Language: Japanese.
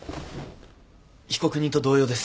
被告人と同様です。